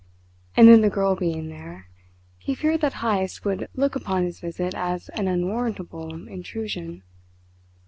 And then the girl being there, he feared that Heyst would look upon his visit as an unwarrantable intrusion.